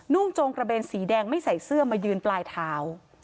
่งจงกระเบนสีแดงไม่ใส่เสื้อมายืนปลายเท้า